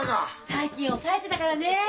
最近抑えてたからねえ。